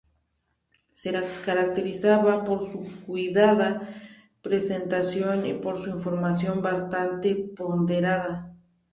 Se caracterizaba por su cuidada presentación y por su información bastante ponderada.